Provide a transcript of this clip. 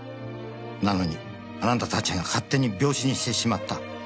「なのにあなたたちが勝手に病死にしてしまった」